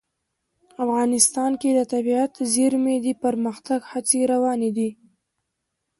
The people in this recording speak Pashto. افغانستان کې د طبیعي زیرمې د پرمختګ هڅې روانې دي.